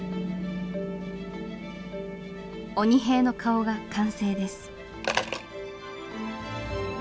鬼平の顔が完成です。